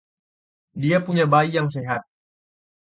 Dia punya bayi yang sehat.